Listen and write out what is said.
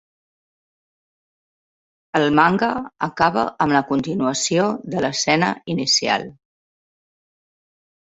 El manga acaba amb la continuació de l'escena inicial.